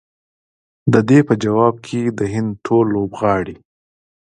د دې په ځواب کې د هند ټول لوبغاړي